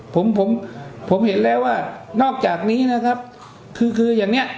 ผมผมผมเห็นแล้วว่านอกจากนี้นะครับคือคืออย่างเนี้ย